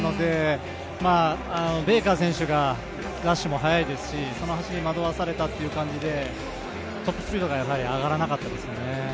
なのでベイカー選手がダッシュも速いですし、惑わされたという感じでトップスピードが上がらなかったですよね。